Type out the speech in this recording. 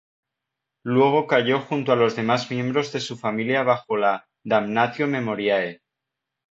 Luego cayó junto a los demás miembros de su familia bajo la "damnatio memoriae".